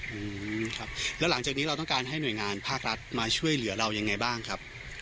อืมครับแล้วหลังจากนี้เราต้องการให้หน่วยงานภาครัฐมาช่วยเหลือเรายังไงบ้างครับ